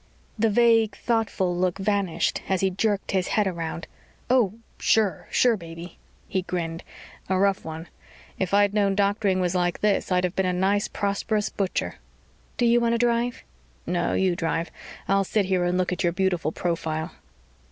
The vague, thoughtful look vanished as he jerked his head around. "Oh, sure sure, baby." He grinned. "A rough one. If I'd known doctoring was like this I'd have been a nice prosperous butcher." "Do you want to drive?" "No, you drive. I'll sit here and look at your beautiful profile."